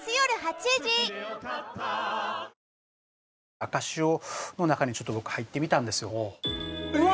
赤潮の中にちょっと僕入ってみたんですようわ！